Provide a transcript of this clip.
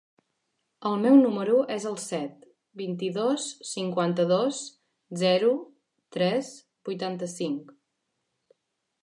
El meu número es el set, vint-i-dos, cinquanta-dos, zero, tres, vuitanta-cinc.